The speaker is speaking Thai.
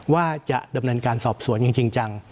ว่าจะดำเนินการสอบสวนอย่างจริงจัง